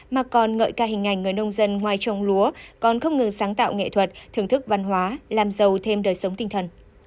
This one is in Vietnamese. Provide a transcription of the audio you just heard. mà còn ngợi ca hình ảnh người nông dân ngoài trồng lúa còn không ngừng sáng tạo nghệ thuật thưởng thức văn hóa làm giàu thêm đời sống tinh thần